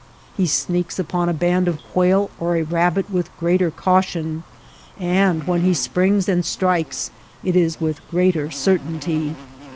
He sneaks upon a band of quail or a rabbit with greater caution, and when he springs and strikes it is with greater certainty.